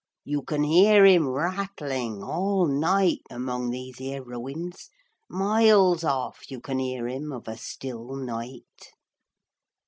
You can hear him rattling all night among these 'ere ruins; miles off you can 'ear 'im of a still night.'